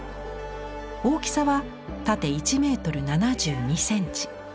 大きさは縦１メートル７２センチ。